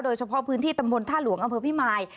โดยเฉพาะพื้นที่ตำบลท่าหลวงอำเภอพิมาย